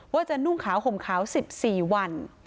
ว่าจะนุ่งขาวห่มขาวสิบสี่วัน